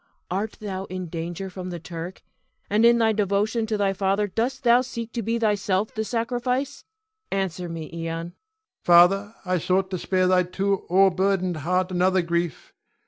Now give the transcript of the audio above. Art thou in danger from the Turk, and in thy devotion to thy father dost thou seek to be thyself the sacrifice? Answer me, Ion. Ion. Father, I sought to spare thy too o'erburdened heart another grief.